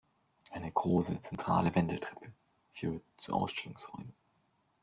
Eine große zentrale Wendeltreppe führt zu Ausstellungsräumen.